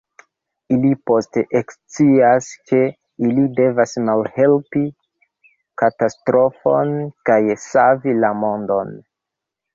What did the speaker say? Ili poste ekscias, ke ili devas malhelpi katastrofon kaj savi la mondon.